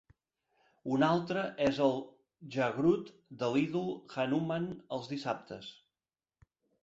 Un altre és el "Jagrut" de l'idol Hanuman els dissabtes.